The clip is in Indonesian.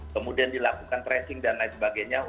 kemudian dilakukan tracing dan lain sebagainya